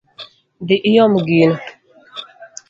Dhi iom gino